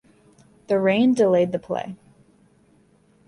The rain delayed the play.